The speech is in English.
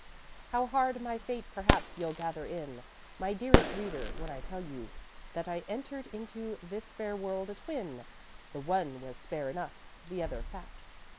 "'How hard my fate perhaps you'll gather in, My dearest reader, when I tell you that I entered into this fair world a twin The one was spare enough, the other fat.